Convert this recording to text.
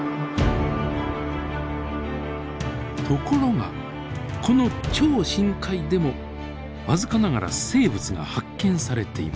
ところがこの超深海でも僅かながら生物が発見されています。